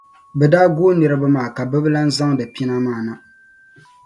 bɛ daa gooi niriba maa ka bɛ bi lan zaŋdi pina maa na.